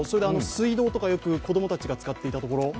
水道とか、よく子供たちが使っていたところ。